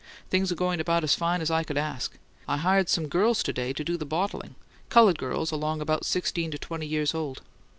Things are going about as fine as I could ask: I hired some girls to day to do the bottling coloured girls along about sixteen to twenty years old.